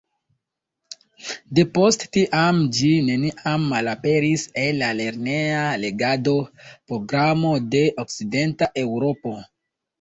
Depost tiam ĝi neniam malaperis el la lerneja legado-programo de okcidenta Eŭropo.